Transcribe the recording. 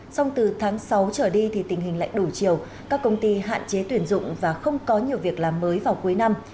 xong từ tháng sáu trở đi thì tình hình lại đủ chiều các công ty hạn chế tuyển dụng và không có nhiều việc làm mới vào cuối năm